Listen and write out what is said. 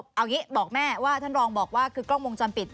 เอาอย่างนี้บอกแม่ว่าท่านรองบอกว่าคือกล้องวงจรปิด